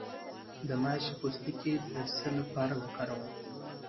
د ماش پوستکی د څه لپاره وکاروم؟